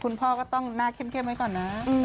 คุณพ่อก็ต้องหน้าเข้มไว้ก่อนนะ